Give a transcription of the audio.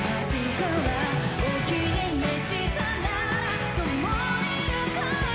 「お気に召したなら共にゆこう」